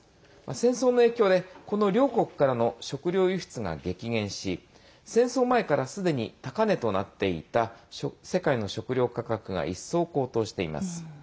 戦争の影響でこの両国からの食糧輸出が激減し戦争前からすでに高値となっていた世界の食糧価格が一層高騰しています。